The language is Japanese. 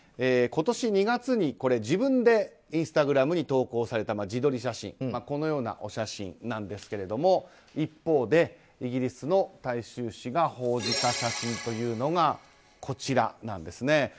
今年２月に自分でインスタグラムに投稿された自撮り写真このようなお写真ですが一方でイギリスの大衆紙が報じた写真というのがこちらなんですね。